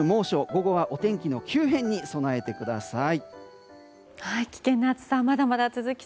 午後はお天気の急変に備えてください。